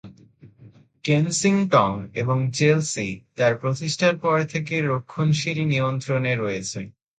Kensington এবং Chelsea তার প্রতিষ্ঠার পর থেকে রক্ষণশীল নিয়ন্ত্রণে রয়েছে।